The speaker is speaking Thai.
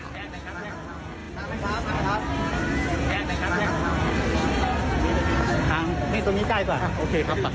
ตรงนี้ใกล้ก่อน